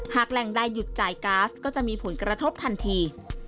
แหล่งใดหยุดจ่ายก๊าซก็จะมีผลกระทบทันที